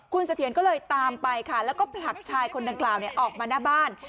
คุณเสถียรก็เลยตามไปค่ะแล้วก็ผลักชายคนดังกล่าวออกมาหน้าบ้าน